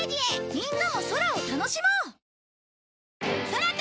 みんなも空を楽しもう！